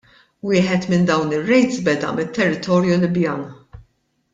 Wieħed minn dawn ir-rejds beda mit-territorju Libjan.